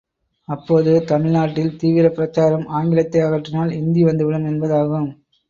அப்போது தமிழ்நாட்டில் தீவிரப் பிரச்சாரம் ஆங்கிலத்தை அகற்றினால் இந்தி வந்துவிடும் என்பதாகும்.